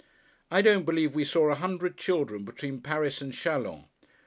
I don't believe we saw a hundred children between Paris and Chalons.